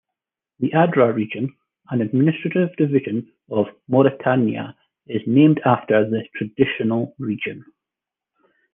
The Adrar Region, an administrative division of Mauritania, is named after the traditional region.